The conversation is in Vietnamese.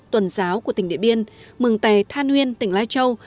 tuần giáo của tỉnh điện biên mường tè than nguyên tỉnh lai châu